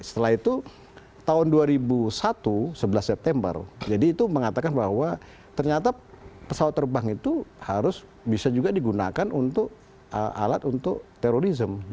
setelah itu tahun dua ribu satu sebelas september jadi itu mengatakan bahwa ternyata pesawat terbang itu harus bisa juga digunakan untuk alat untuk terorisme